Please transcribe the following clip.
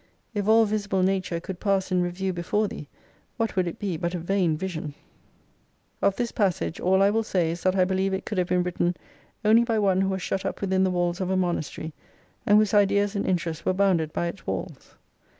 If all visible nature could pass in review before thee, what would it be but a vain vision ?" xlx Of tins passage ail t will say is that i believe it could have been written only by one who was shut up within the walls of a monastery, and whose ideas and interests were bounded by its walls.